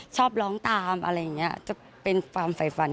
ชอบร้องตามอะไรอย่างนี้จะเป็นความใฝ่ฝัน